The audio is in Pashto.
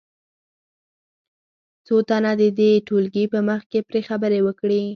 څو تنه دې د ټولګي په مخ کې پرې خبرې وکړي.